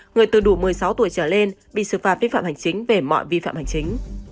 người từ đủ một mươi sáu tuổi trở lên bị xử phạt vi phạm hành chính về mọi vi phạm hành chính